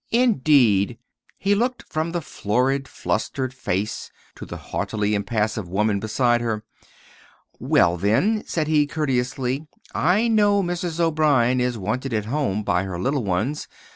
"Indeed!" He looked from the florid, flustered face to the haughtily impassive woman beside her. "Well, then," said he, courteously, "I know Mrs. O'Brien is wanted at home by her little ones. Mrs.